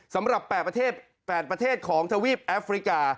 สำหรับ๘ประเทศของถวีฟแอฟริกา